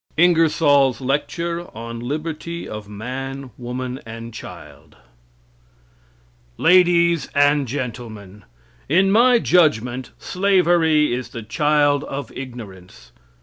Ingersoll's Lecture on Liberty of Man, Woman and Child Ladies and Gentlemen: In my judgment slavery is the child of ignorance.